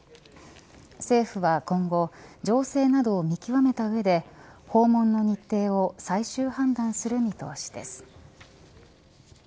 政府は今後情勢などを見極めた上で訪問の日程を最終判断する見通しです。